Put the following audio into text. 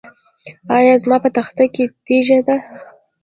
ایا زما په تخه کې تیږه ده؟